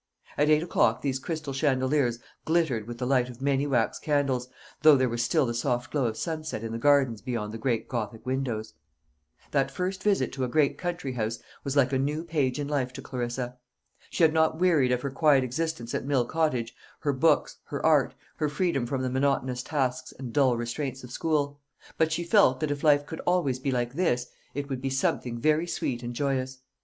At eight o'clock these crystal chandeliers glittered with the light of many wax candles, though there was still the soft glow of sunset in the gardens beyond the great gothic windows. That first visit to a great country house was like a new page in life to Clarissa. She had not wearied of her quiet existence at Mill Cottage, her books, her art, her freedom from the monotonous tasks and dull restraints of school; but she felt that if life could always be like this, it would be something very sweet and joyous.